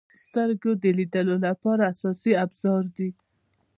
• سترګې د لیدلو لپاره اساسي ابزار دي.